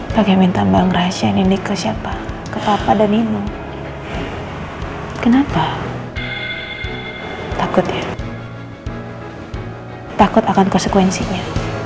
bagaimana tambang rasha ini ke siapa ke papa dan ibu kenapa takut takut akan konsekuensinya